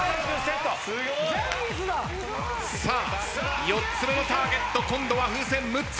さあ４つ目のターゲット今度は風船６つ。